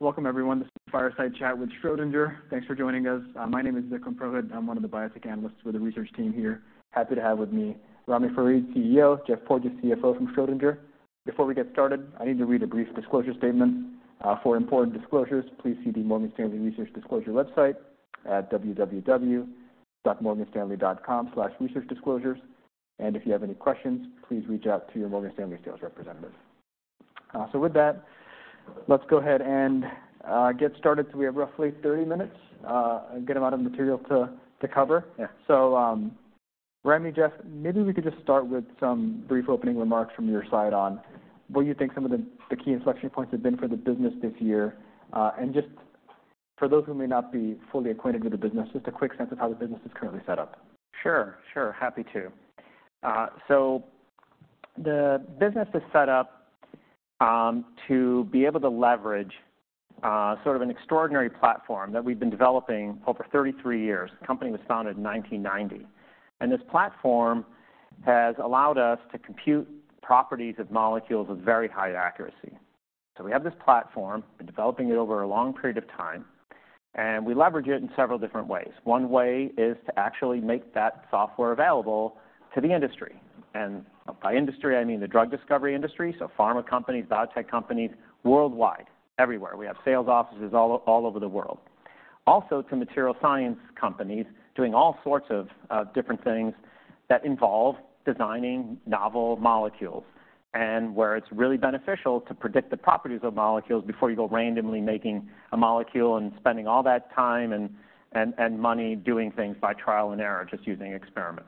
Welcome, everyone. This is the Fireside Chat with Schrödinger. Thanks for joining us. My name is Vikram Purohit. I'm one of the biotech analysts with the research team here. Happy to have with me, Ramy Farid, CEO, Geoffrey Porges, CFO from Schrödinger. Before we get started, I need to read a brief disclosure statement. For important disclosures, please see the Morgan Stanley Research Disclosure website at www.morganstanley.com/researchdisclosures. If you have any questions, please reach out to your Morgan Stanley sales representative. With that, let's go ahead and get started. We have roughly 30 minutes, a good amount of material to cover. Yeah. So, Ramy, Geoff, maybe we could just start with some brief opening remarks from your side on what you think some of the, the key inflection points have been for the business this year. And just for those who may not be fully acquainted with the business, just a quick sense of how the business is currently set up. Sure, sure. Happy to. So the business is set up to be able to leverage sort of an extraordinary platform that we've been developing over 33 years. The company was founded in 1990, and this platform has allowed us to compute properties of molecules with very high accuracy. So we have this platform, been developing it over a long period of time, and we leverage it in several different ways. One way is to actually make that software available to the industry, and by industry, I mean the drug discovery industry, so pharma companies, biotech companies, worldwide, everywhere. We have sales offices all over the world. Also, to material science companies doing all sorts of different things that involve designing novel molecules, and where it's really beneficial to predict the properties of molecules before you go randomly making a molecule and spending all that time and money doing things by trial and error, just using experiment.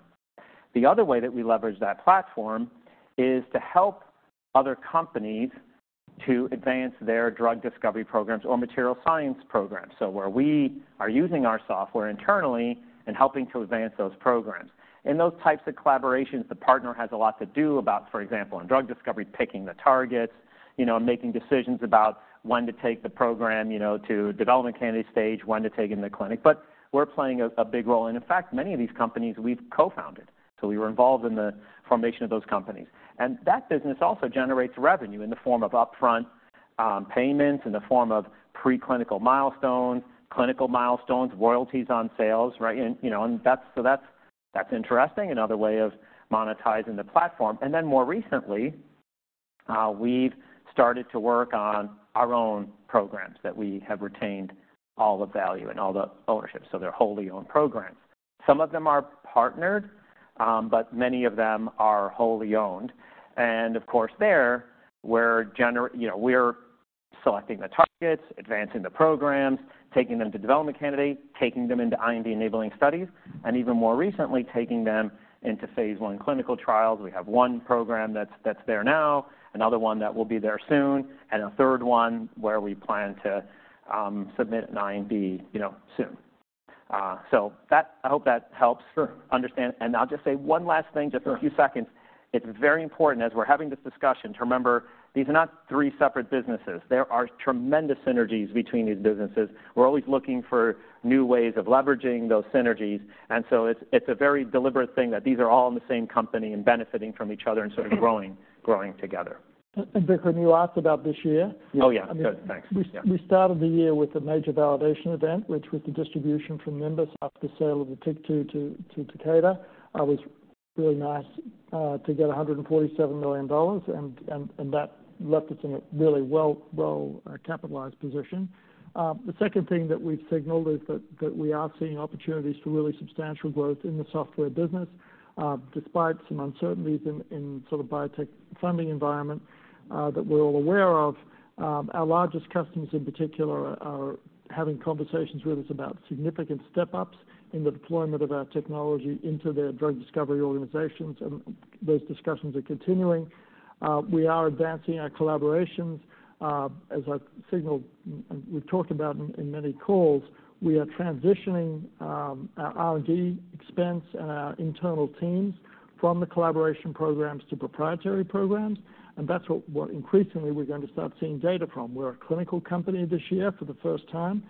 The other way that we leverage that platform is to help other companies to advance their drug discovery programs or material science programs. So where we are using our software internally and helping to advance those programs. In those types of collaborations, the partner has a lot to do about, for example, in drug discovery, picking the targets, you know, making decisions about when to take the program, you know, to development candidate stage, when to take it in the clinic. We're playing a big role, and in fact, many of these companies we've co-founded, so we were involved in the formation of those companies. That business also generates revenue in the form of upfront payments, in the form of preclinical milestones, clinical milestones, royalties on sales, right? You know, that's interesting. Another way of monetizing the platform. More recently, we've started to work on our own programs that we have retained all the value and all the ownership, so they're wholly owned programs. Some of them are partnered, but many of them are wholly owned. Of course, there we're gener... You know, we're selecting the targets, advancing the programs, taking them to development candidate, taking them into IND-enabling studies, and even more recently, taking them into Phase I clinical trials. We have one program that's there now, another one that will be there soon, and a third one where we plan to submit an IND, you know, soon. So that, I hope that helps- Sure. Understand. And I'll just say one last thing, just a few seconds. Sure. It's very important, as we're having this discussion, to remember, these are not three separate businesses. There are tremendous synergies between these businesses. We're always looking for new ways of leveraging those synergies, and so it's, it's a very deliberate thing that these are all in the same company and benefiting from each other and sort of growing, growing together. Mm-hmm. Vikram, you asked about this year? Oh, yeah. Good, thanks. We started the year with a major validation event, which was the distribution from Nimbus after the sale of the TYK2 to Takeda. It was really nice to get $147 million, and that left us in a really well capitalized position. The second thing that we've signaled is that we are seeing opportunities for really substantial growth in the software business, despite some uncertainties in sort of biotech funding environment that we're all aware of. Our largest customers in particular are having conversations with us about significant step-ups in the deployment of our technology into their drug discovery organizations, and those discussions are continuing. We are advancing our collaborations. As I signaled, and we've talked about in many calls, we are transitioning our R&D expense and our internal teams from the collaboration programs to proprietary programs, and that's what increasingly we're going to start seeing data from. We're a clinical company this year for the first time,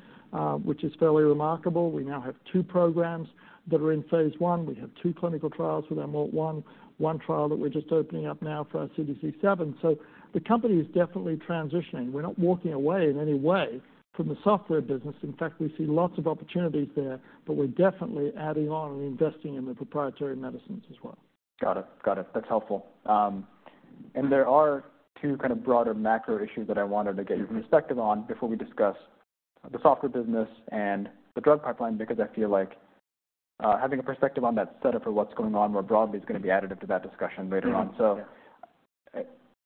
which is fairly remarkable. We now have two programs that are in Phase I. We have two clinical trials with MALT1, one trial that we're just opening up now for our CDC7. So the company is definitely transitioning. We're not walking away in any way from the software business. In fact, we see lots of opportunities there, but we're definitely adding on and investing in the proprietary medicines as well. Got it. Got it. That's helpful. There are two kind of broader macro issues that I wanted to get your perspective on before we discuss the software business and the drug pipeline, because I feel like, having a perspective on that set up for what's going on more broadly is going to be additive to that discussion later on. Mm-hmm. Yeah. So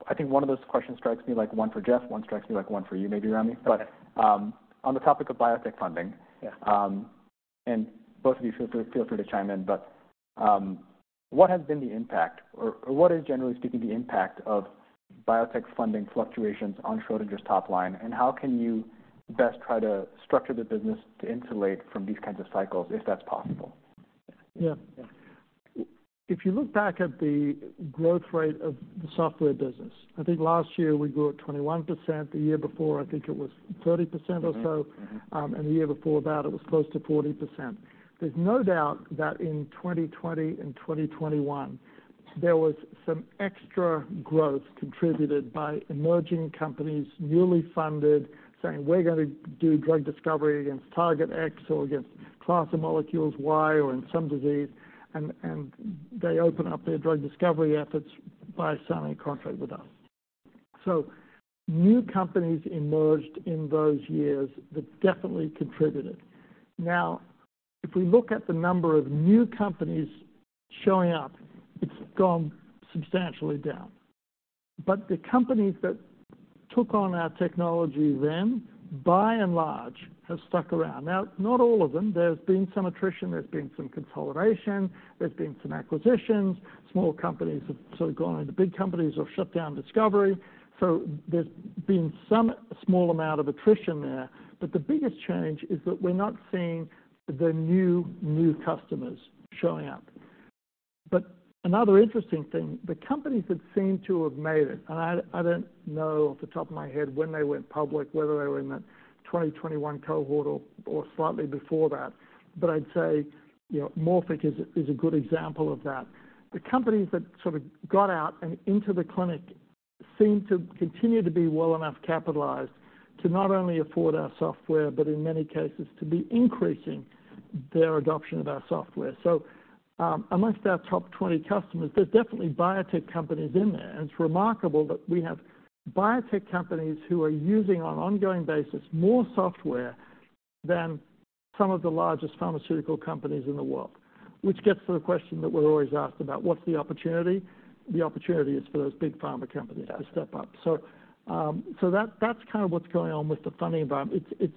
I think one of those questions strikes me like one for Geoff, one strikes me like one for you, maybe, Ramy. Okay. But, on the topic of biotech funding- Yeah. And both of you feel free, feel free to chime in, but, what has been the impact or, or what is, generally speaking, the impact of biotech funding fluctuations on Schrödinger's top line? And how can you best try to structure the business to insulate from these kinds of cycles, if that's possible? Yeah. If you look back at the growth rate of the software business, I think last year we grew at 21%. The year before, I think it was 30% or so. Mm-hmm. Mm-hmm. And the year before that, it was close to 40%. There's no doubt that in 2020 and 2021, there was some extra growth contributed by emerging companies, newly funded, saying, "We're going to do drug discovery against target X or against class of molecules Y, or in some disease," and they open up their drug discovery efforts by signing a contract with us. So new companies emerged in those years that definitely contributed. Now, if we look at the number of new companies showing up, it's gone substantially down. But the companies that took on our technology then, by and large, have stuck around. Now, not all of them. There's been some attrition, there's been some consolidation, there's been some acquisitions. Small companies have sort of gone into big companies or shut down discovery. So there's been some small amount of attrition there. But the biggest change is that we're not seeing the new, new customers showing up. But another interesting thing, the companies that seem to have made it, and I don't know off the top of my head when they went public, whether they were in the 2021 cohort or slightly before that, but I'd say, you know, Morphic is a good example of that. The companies that sort of got out and into the clinic seem to continue to be well enough capitalized to not only afford our software, but in many cases, to be increasing their adoption of our software. So, amongst our top 20 customers, there's definitely biotech companies in there, and it's remarkable that we have biotech companies who are using, on an ongoing basis, more software than some of the largest pharmaceutical companies in the world. Which gets to the question that we're always asked about: What's the opportunity? The opportunity is for those big pharma companies to step up. So, that's kind of what's going on with the funding environment. It's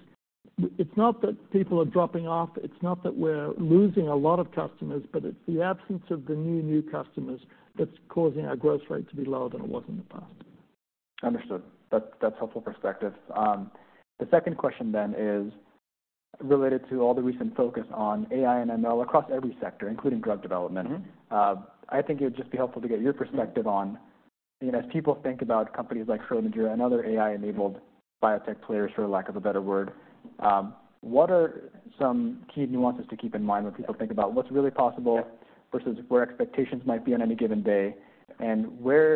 not that people are dropping off, it's not that we're losing a lot of customers, but it's the absence of the new customers that's causing our growth rate to be lower than it was in the past. Understood. That's, that's helpful perspective. The second question then is related to all the recent focus on AI and ML across every sector, including drug development. Mm-hmm. I think it would just be helpful to get your perspective on, you know, as people think about companies like Schrödinger and other AI-enabled biotech players, for lack of a better word, what are some key nuances to keep in mind when people think about what's really possible? Yeah. -versus where expectations might be on any given day? And where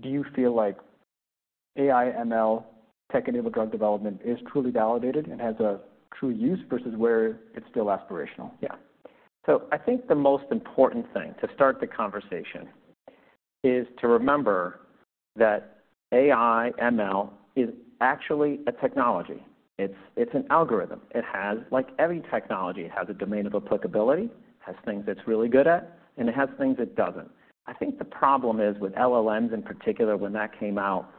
do you feel like AI, ML, tech-enabled drug development is truly validated and has a true use versus where it's still aspirational? Yeah. So I think the most important thing, to start the conversation, is to remember that AI, ML is actually a technology. It's, it's an algorithm. It has, like every technology, it has a domain of applicability, it has things it's really good at, and it has things it doesn't. I think the problem is, with LLMs in particular, when that came out,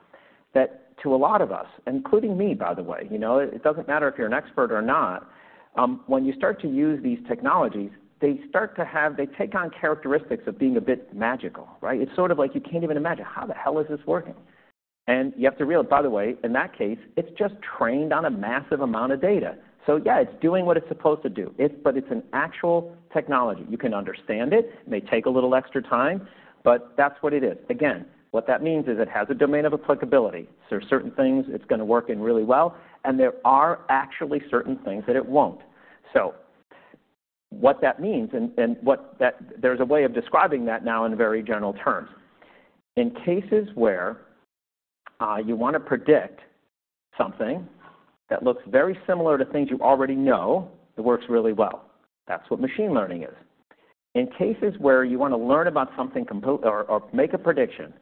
that to a lot of us, including me, by the way, you know, it doesn't matter if you're an expert or not, when you start to use these technologies, they start to have, they take on characteristics of being a bit magical, right? It's sort of like you can't even imagine, how the hell is this working? And you have to realize, by the way, in that case, it's just trained on a massive amount of data. So yeah, it's doing what it's supposed to do. But it's an actual technology. You can understand it. It may take a little extra time, but that's what it is. Again, what that means is it has a domain of applicability. There are certain things it's going to work in really well, and there are actually certain things that it won't. So what that means and what that there's a way of describing that now in very general terms. In cases where you want to predict something that looks very similar to things you already know, it works really well. That's what machine learning is. In cases where you want to learn about something completely or make a prediction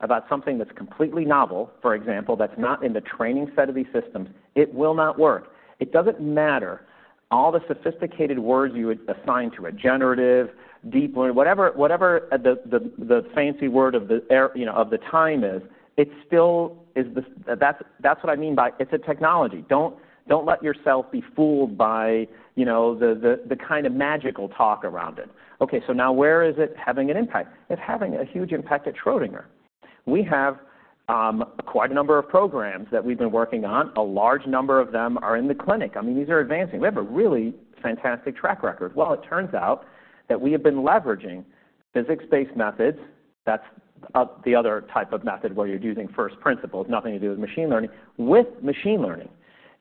about something that's completely novel, for example, that's not in the training set of these systems, it will not work. It doesn't matter all the sophisticated words you would assign to it, generative, deep learning, whatever the fancy word of the era, you know, of the time is, it still is. That's what I mean by it's a technology. Don't let yourself be fooled by, you know, the kind of magical talk around it. Okay, so now where is it having an impact? It's having a huge impact at Schrödinger. We have quite a number of programs that we've been working on. A large number of them are in the clinic. I mean, these are advancing. We have a really fantastic track record. Well, it turns out that we have been leveraging physics-based methods, that's the other type of method where you're using first principles, nothing to do with machine learning, with machine learning,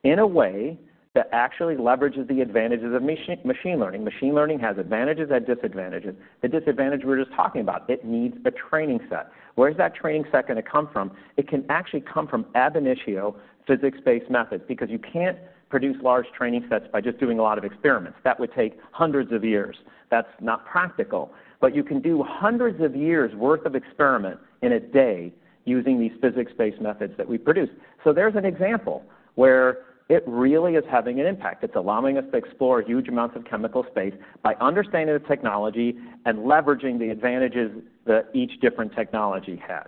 in a way that actually leverages the advantages of machine learning. Machine learning has advantages and disadvantages. The disadvantage we're just talking about, it needs a training set. Where is that training set gonna come from? It can actually come from ab initio physics-based methods, because you can't produce large training sets by just doing a lot of experiments. That would take hundreds of years. That's not practical. But you can do hundreds of years' worth of experiments in a day using these physics-based methods that we produce. So there's an example where it really is having an impact. It's allowing us to explore huge amounts of chemical space by understanding the technology and leveraging the advantages that each different technology has.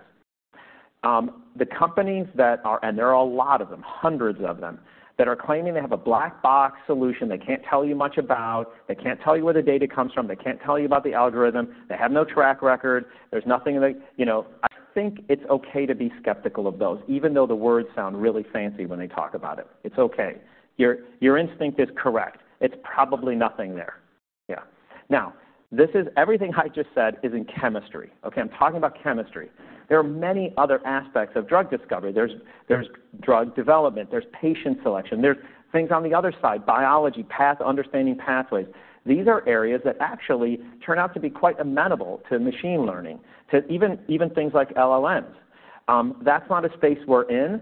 The companies that are, and there are a lot of them, hundreds of them, that are claiming they have a black box solution they can't tell you much about, they can't tell you where the data comes from, they can't tell you about the algorithm, they have no track record, there's nothing they... You know, I think it's okay to be skeptical of those, even though the words sound really fancy when they talk about it. It's okay. Your instinct is correct. It's probably nothing there. Yeah. Now, this is everything I just said is in chemistry, okay? I'm talking about chemistry. There are many other aspects of drug discovery. There's drug development, there's patient selection, there's things on the other side, biology, path, understanding pathways. These are areas that actually turn out to be quite amenable to machine learning, to things like LLMs. That's not a space we're in.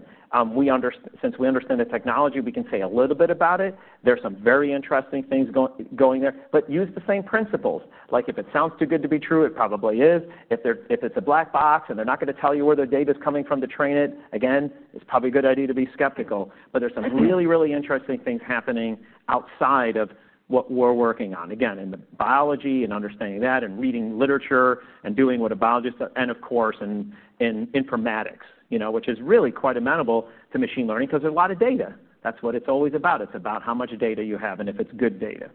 Since we understand the technology, we can say a little bit about it. There's some very interesting things going there, but use the same principles. Like, if it sounds too good to be true, it probably is. If it's a black box, and they're not gonna tell you where their data is coming from to train it, again, it's probably a good idea to be skeptical. But there's some really, really interesting things happening outside of what we're working on. Again, in the biology and understanding that, and reading literature, and doing what a biologist does, and of course, in informatics, you know, which is really quite amenable to machine learning because there's a lot of data. That's what it's always about. It's about how much data you have and if it's good data.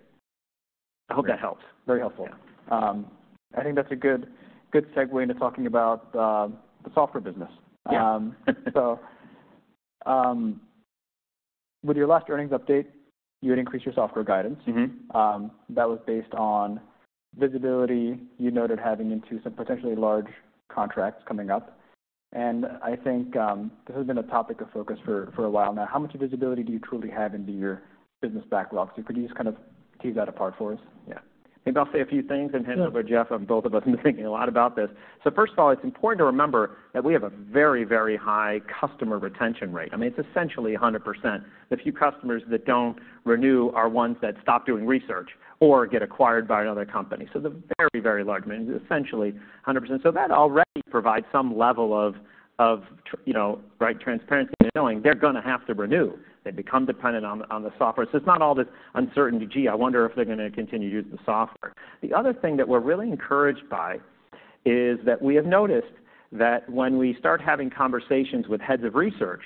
I hope that helps. Very helpful. Yeah. I think that's a good, good segue into talking about the software business. Yeah. So, with your last earnings update, you had increased your software guidance. Mm-hmm. That was based on visibility you noted having into some potentially large contracts coming up. And I think, this has been a topic of focus for a while now. How much visibility do you truly have into your business backlog? So could you just kind of tease that apart for us? Yeah. Maybe I'll say a few things and hand over Geoff- Sure Both of us have been thinking a lot about this. So first of all, it's important to remember that we have a very, very high customer retention rate. I mean, it's essentially 100%. The few customers that don't renew are ones that stop doing research or get acquired by another company. So they're very, very large, I mean, essentially 100%. So that already provides some level of transparency in knowing they're gonna have to renew. They become dependent on the software. So it's not all this uncertainty: Gee, I wonder if they're gonna continue to use the software. The other thing that we're really encouraged by is that we have noticed that when we start having conversations with heads of research,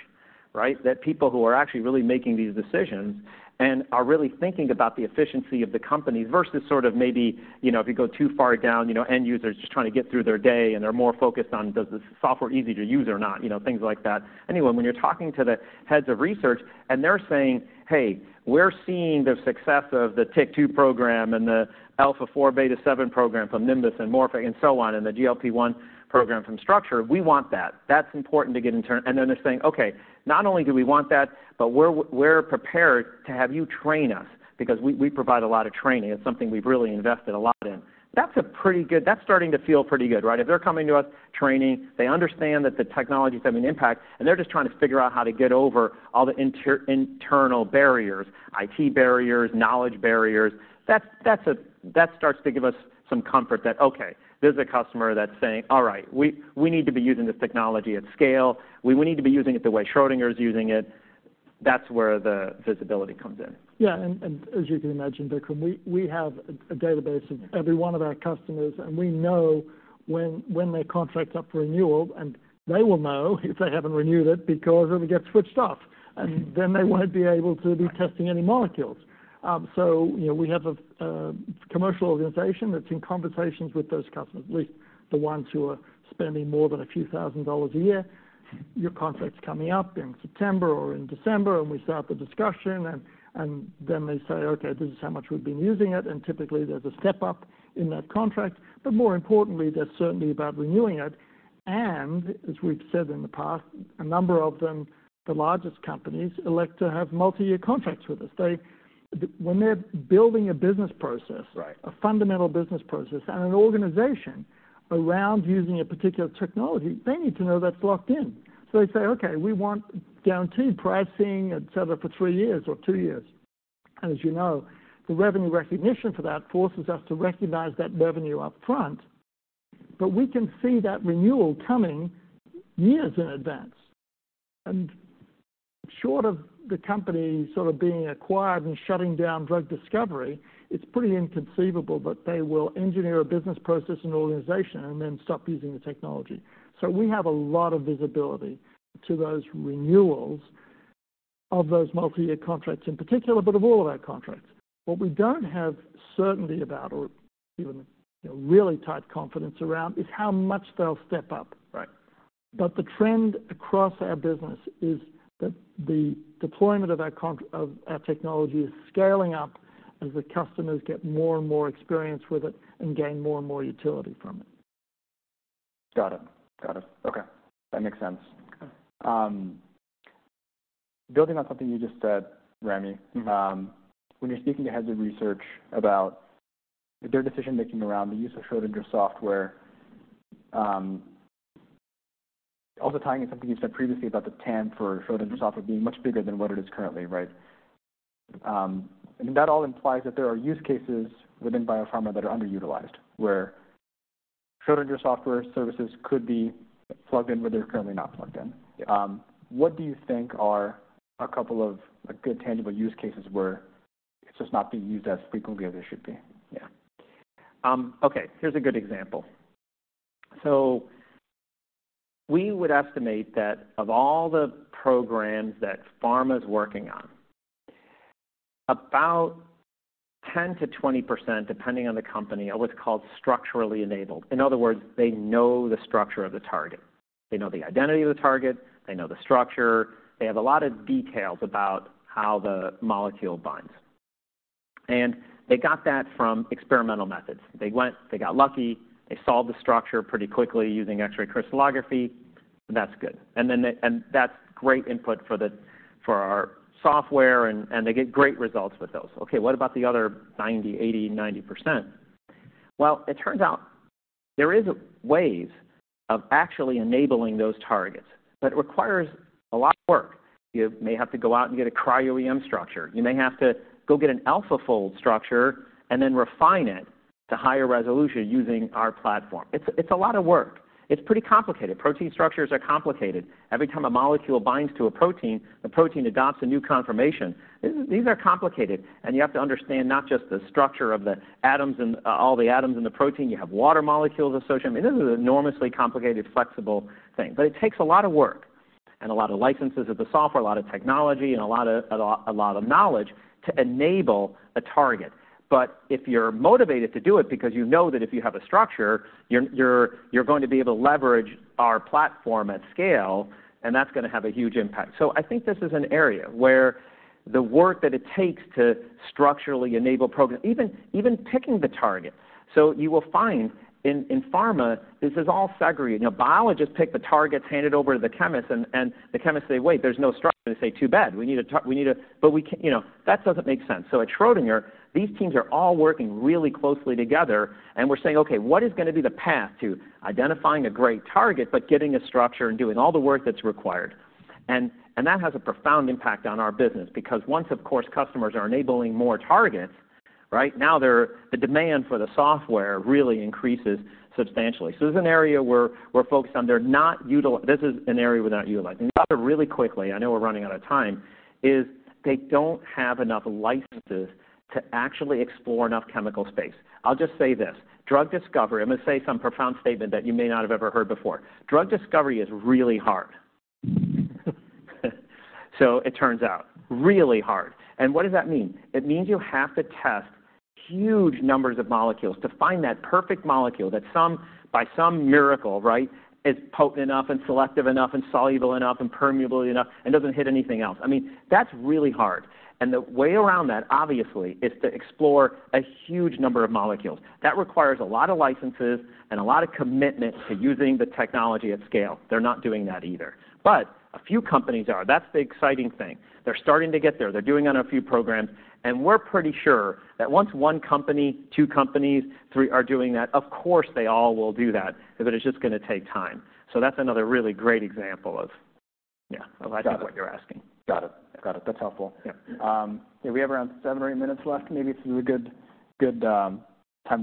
right, that people who are actually really making these decisions and are really thinking about the efficiency of the company versus sort of maybe, you know, if you go too far down, you know, end users just trying to get through their day, and they're more focused on, does this software easy to use or not? You know, things like that. Anyway, when you're talking to the heads of research, and they're saying: Hey, we're seeing the success of the TYK2 program and the alpha-4 beta-7 program from Nimbus and Morphic and so on, and the GLP-1 program from Structure, we want that. That's important to get in turn. And then they're saying: "Okay, not only do we want that, but we're, we're prepared to have you train us because we, we provide a lot of training. It's something we've really invested a lot in. That's a pretty good... That's starting to feel pretty good, right? If they're coming to us, training, they understand that the technology is having an impact, and they're just trying to figure out how to get over all the inter-internal barriers, IT barriers, knowledge barriers, that's, that's a - that starts to give us some comfort that, okay, this is a customer that's saying, 'All right, we, we need to be using this technology at scale. We, we need to be using it the way Schrödinger is using it.' That's where the visibility comes in. Yeah, and as you can imagine, Vikram, we have a database of every one of our customers, and we know when their contract's up for renewal, and they will know if they haven't renewed it because it'll get switched off, and then they won't be able to be testing any molecules. So, you know, we have a commercial organization that's in conversations with those customers, at least the ones who are spending more than a few thousand dollar a year. Your contract's coming up in September or in December, and we start the discussion, and then they say, "Okay, this is how much we've been using it." And typically, there's a step up in that contract, but more importantly, they're certainly about renewing it. As we've said in the past, a number of them, the largest companies, elect to have multi-year contracts with us. They... when they're building a business process- Right a fundamental business process and an organization around using a particular technology, they need to know that's locked in. So they say, "Okay, we want guaranteed pricing etc., for three years or two years." As you know, the revenue recognition for that forces us to recognize that revenue upfront, but we can see that renewal coming years in advance. And short of the company sort of being acquired and shutting down drug discovery, it's pretty inconceivable that they will engineer a business process and organization and then stop using the technology. So we have a lot of visibility to those renewals of those multi-year contracts in particular, but of all of our contracts. What we don't have certainty about or even, you know, really tight confidence around, is how much they'll step up. Right. The trend across our business is that the deployment of our technology is scaling up as the customers get more and more experience with it and gain more and more utility from it. Got it. Got it. Okay, that makes sense. Okay. Building on something you just said, Ramy- Mm-hmm. when you're speaking to heads of research about their decision-making around the use of Schrödinger software, also tying in something you said previously about the TAM for Schrödinger software being much bigger than what it is currently, right? And that all implies that there are use cases within biopharma that are underutilized, where Schrödinger software services could be plugged in, where they're currently not plugged in. Yeah. What do you think are a couple of, like, good tangible use cases where it's just not being used as frequently as it should be? Yeah. Okay, here's a good example. We would estimate that of all the programs that pharma's working on, about 10%-20%, depending on the company, are what's called structurally enabled. In other words, they know the structure of the target. They know the identity of the target, they know the structure, they have a lot of details about how the molecule binds. They got that from experimental methods. They went, they got lucky, they solved the structure pretty quickly using X-ray crystallography. That's good. That's great input for our software, and they get great results with those. Okay, what about the other 90%, 80%, 90%? Well, it turns out there are ways of actually enabling those targets, but it requires a lot of work. You may have to go out and get a cryo-EM structure. You may have to go get an AlphaFold structure and then refine it to higher resolution using our platform. It's, it's a lot of work. It's pretty complicated. Protein structures are complicated. Every time a molecule binds to a protein, the protein adopts a new conformation. These, these are complicated, and you have to understand not just the structure of the atoms and all the atoms in the protein, you have water molecules associated. I mean, this is an enormously complicated, flexible thing, but it takes a lot of work and a lot of licenses of the software, a lot of technology and a lot, a lot, a lot of knowledge to enable a target. But if you're motivated to do it because you know that if you have a structure, you're going to be able to leverage our platform at scale, and that's going to have a huge impact. So I think this is an area where the work that it takes to structurally enable programs, even picking the target. So you will find in pharma, this is all segregated. You know, biologists pick the targets, hand it over to the chemists, and the chemists say: "Wait, there's no structure." They say, "Too bad. We need a..." But you know, that doesn't make sense. So at Schrödinger, these teams are all working really closely together, and we're saying, okay, what is going to be the path to identifying a great target, but getting a structure and doing all the work that's required? And that has a profound impact on our business because once, of course, customers are enabling more targets, right, now they're, the demand for the software really increases substantially. So this is an area where we're focused on. They're not, this is an area we're not utilizing. The other, really quickly, I know we're running out of time, is they don't have enough licenses to actually explore enough chemical space. I'll just say this, drug discovery... I'm going to say some profound statement that you may not have ever heard before. Drug discovery is really hard. So it turns out, really hard. And what does that mean? It means you have to test huge numbers of molecules to find that perfect molecule that some, by some miracle, right, is potent enough and selective enough and soluble enough and permeable enough and doesn't hit anything else. I mean, that's really hard. The way around that, obviously, is to explore a huge number of molecules. That requires a lot of licenses and a lot of commitment to using the technology at scale. They're not doing that either. A few companies are. That's the exciting thing. They're starting to get there. They're doing it on a few programs, and we're pretty sure that once one company, two companies, three are doing that, of course, they all will do that, but it's just going to take time. That's another really great example of, yeah, of I think what you're asking. Got it. Got it. That's helpful. Yeah. Yeah, we have around seven or eight minutes left. Maybe this is a good, good, time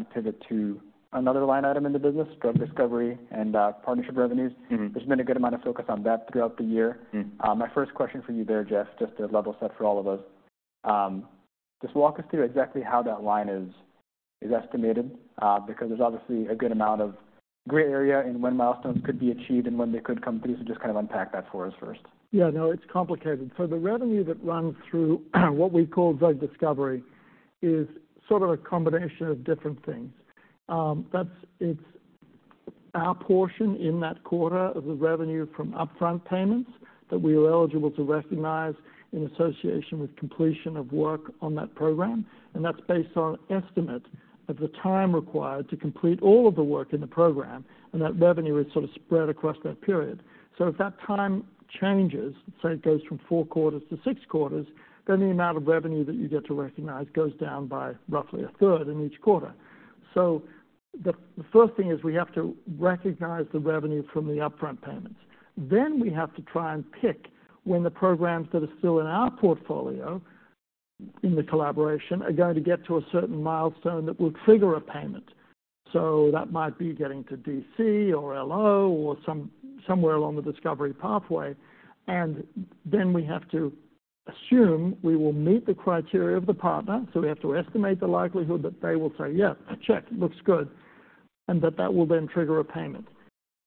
to pivot to another line item in the business, drug discovery and partnership revenues. Mm-hmm. There's been a good amount of focus on that throughout the year. Mm. My first question for you there, Geoff, just to level set for all of us. Just walk us through exactly how that line is estimated, because there's obviously a good amount of gray area in when milestones could be achieved and when they could come through. So just kind of unpack that for us first. Yeah, no, it's complicated. So the revenue that runs through what we call drug discovery is sort of a combination of different things. It's our portion in that quarter of the revenue from upfront payments that we are eligible to recognize in association with completion of work on that program, and that's based on an estimate of the time required to complete all of the work in the program, and that revenue is sort of spread across that period. So if that time changes, say, it goes from four quarters to six quarters, then the amount of revenue that you get to recognize goes down by roughly a third in each quarter. So the first thing is we have to recognize the revenue from the upfront payments. Then we have to try and pick when the programs that are still in our portfolio, in the collaboration, are going to get to a certain milestone that will trigger a payment. So that might be getting to DC or LO or somewhere along the discovery pathway. And then we have to assume we will meet the criteria of the partner, so we have to estimate the likelihood that they will say, "Yes, check, looks good," and that that will then trigger a payment.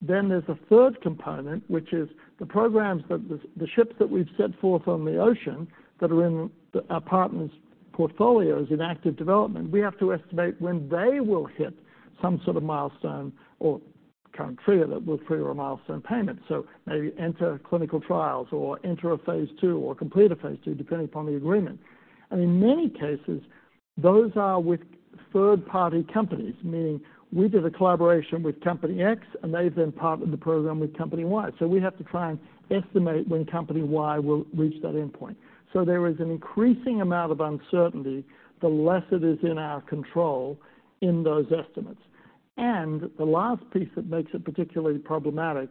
Then there's a third component, which is the ships that we've set forth on the ocean that are in our partners' portfolios in active development, we have to estimate when they will hit some sort of milestone or kind of trigger that will trigger a milestone payment. So maybe enter clinical trials or enter a Phase 2 or complete a Phase 2, depending upon the agreement. And in many cases, those are with third-party companies, meaning we did a collaboration with company X, and they've then partnered the program with company Y. So we have to try and estimate when company Y will reach that endpoint. So there is an increasing amount of uncertainty, the less it is in our control in those estimates. And the last piece that makes it particularly problematic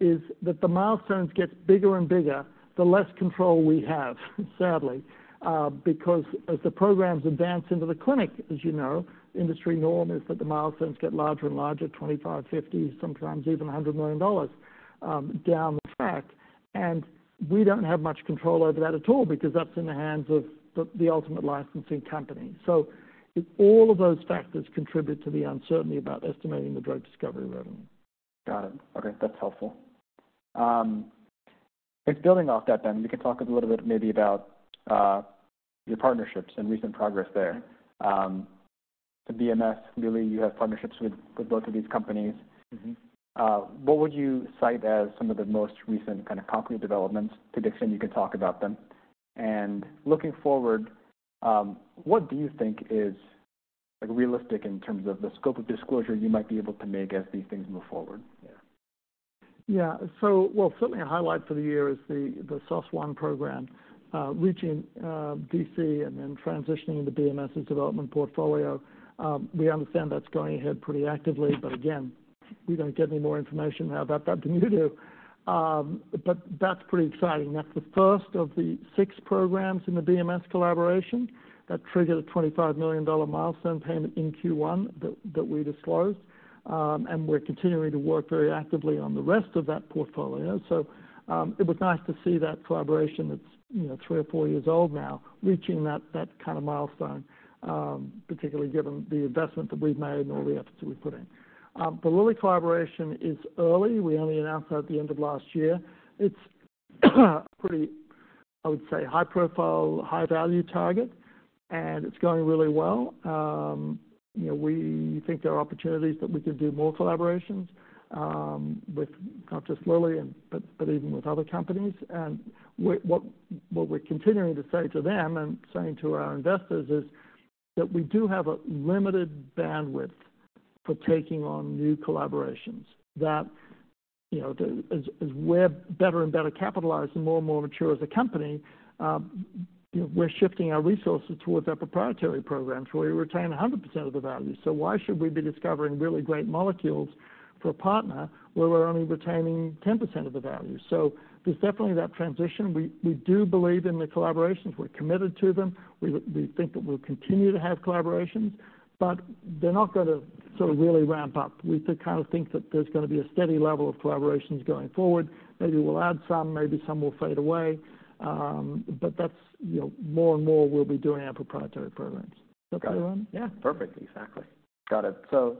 is that the milestones get bigger and bigger, the less control we have, sadly, because as the programs advance into the clinic, as you know, industry norm is that the milestones get larger and larger, $25 million, $50 million, sometimes even $100 million, down the track. We don't have much control over that at all because that's in the hands of the ultimate licensing company. So all of those factors contribute to the uncertainty about estimating the drug discovery revenue. Got it. Okay, that's helpful. And building off that then, you can talk a little bit maybe about your partnerships and recent progress there. The BMS, really, you have partnerships with both of these companies. Mm-hmm. What would you cite as some of the most recent kind of concrete developments? To the extent you can talk about them. Looking forward, what do you think is, like, realistic in terms of the scope of disclosure you might be able to make as these things move forward? Yeah, so, well, certainly a highlight for the year is the SOS1 program reaching DC and then transitioning into BMS's development portfolio. We understand that's going ahead pretty actively, but again, we don't get any more information now about that than you do. But that's pretty exciting. That's the first of the six programs in the BMS collaboration that triggered a $25 million milestone payment in Q1 that we disclosed. And we're continuing to work very actively on the rest of that portfolio. So, it was nice to see that collaboration that's, you know, three or four years old now, reaching that kind of milestone, particularly given the investment that we've made and all the efforts that we've put in. The Lilly collaboration is early. We only announced that at the end of last year. It's pretty, I would say, high profile, high value target, and it's going really well. You know, we think there are opportunities that we could do more collaborations with not just Lilly but even with other companies. What we're continuing to say to them and saying to our investors is that we do have a limited bandwidth for taking on new collaborations. That you know, as we're better and better capitalized and more and more mature as a company, you know, we're shifting our resources towards our proprietary programs where we retain 100% of the value. So why should we be discovering really great molecules for a partner, where we're only retaining 10% of the value? So there's definitely that transition. We do believe in the collaborations. We're committed to them. We think that we'll continue to have collaborations, but they're not gonna sort of really ramp up. We kind of think that there's gonna be a steady level of collaborations going forward. Maybe we'll add some, maybe some will fade away, but that's, you know, more and more we'll be doing our proprietary programs. Is that clear, Ramy? Yeah, perfect. Exactly. Got it. So,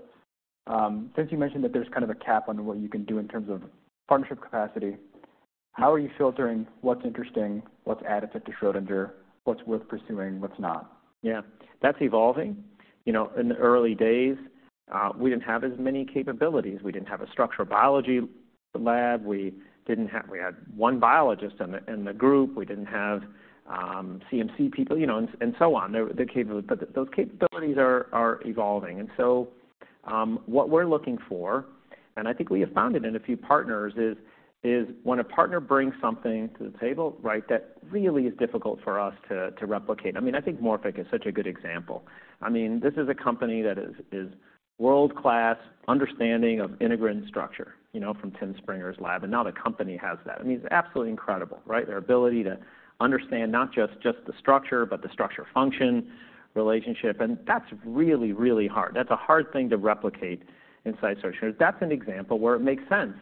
since you mentioned that there's kind of a cap on what you can do in terms of partnership capacity, how are you filtering what's interesting, what's additive to Schrödinger, what's worth pursuing, what's not? Yeah. That's evolving. You know, in the early days, we didn't have as many capabilities. We didn't have a structural biology lab. We had one biologist in the group. We didn't have CMC people, you know, and so on. But those capabilities are evolving. What we're looking for, and I think we have found it in a few partners, is when a partner brings something to the table, right, that really is difficult for us to replicate. I mean, I think Morphic is such a good example. I mean, this is a company that is world-class understanding of integrin structure, you know, from Tim Springer's lab, and not a company has that. I mean, it's absolutely incredible, right? Their ability to understand not just, just the structure, but the structure, function, relationship, and that's really, really hard. That's a hard thing to replicate inside Schrödinger. That's an example where it makes sense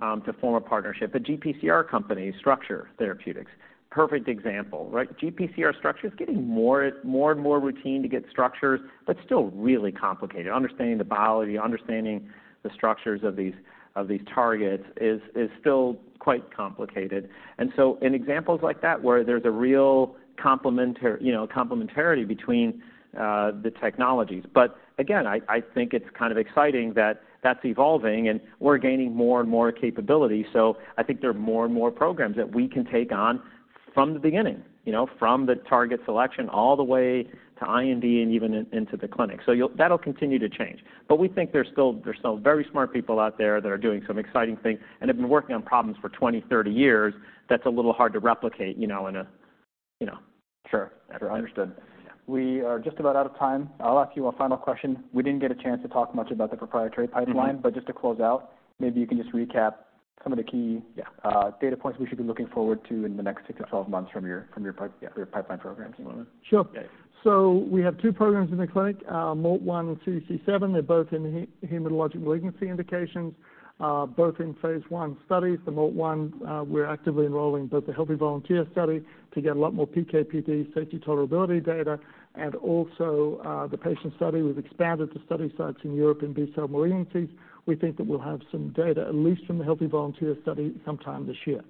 to form a partnership. A GPCR company, Structure Therapeutics, perfect example, right? GPCR Structure is getting more and more routine to get structures, but still really complicated. Understanding the biology, understanding the structures of these of these targets is still quite complicated. And so in examples like that, where there's a real complementary, you know, complementarity between the technologies. But again, I think it's kind of exciting that that's evolving and we're gaining more and more capability. So I think there are more and more programs that we can take on from the beginning, you know, from the target selection all the way to IND and even in, into the clinic. So you'll... That'll continue to change. But we think there's still, there's still very smart people out there that are doing some exciting things and have been working on problems for 20, 30 years, that's a little hard to replicate, you know, in a, you know? Sure. Understood. We are just about out of time. I'll ask you a final question. We didn't get a chance to talk much about the proprietary pipeline- Mm-hmm. But just to close out, maybe you can just recap some of the key- Yeah... data points we should be looking forward to in the next 6-12 months from your pipeline programs? Sure. Yeah. So we have two programs in the clinic, MALT1 and CDC7. They're both in the hematologic malignancy indications, both in Phase 1 studies. The MALT1, we're actively enrolling both the healthy volunteer study, to get a lot more PK/PD safety tolerability data, and also, the patient study. We've expanded the study sites in Europe and B-cell malignancies. We think that we'll have some data, at least from the healthy volunteer study, sometime this year.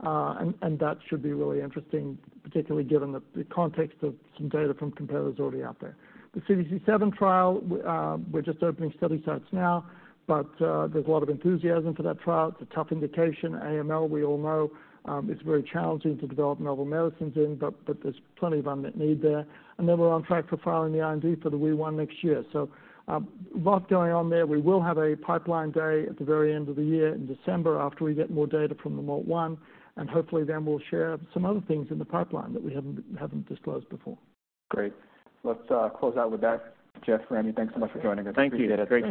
And that should be really interesting, particularly given the context of some data from competitors already out there. The CDC7 trial, we're just opening study sites now, but there's a lot of enthusiasm for that trial. It's a tough indication. AML, we all know, is very challenging to develop novel medicines in, but there's plenty of unmet need there. Then we're on track for filing the IND for the Wee1 next year. So, a lot going on there. We will have a pipeline day at the very end of the year in December, after we get more data from the MALT1, and hopefully then we'll share some other things in the pipeline that we haven't disclosed before. Great. Let's close out with that. Geoff, Ramy, thanks so much for joining us. Thank you. Appreciate it.